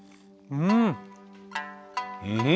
うん？